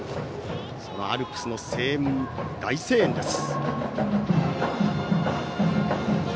アルプスの声援、大声援です。